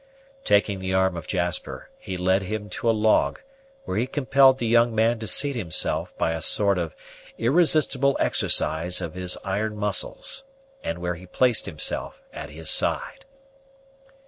Taking the arm of Jasper, he led him to a log, where he compelled the young man to seat himself by a sort of irresistible exercise of his iron muscles, and where he placed himself at his side.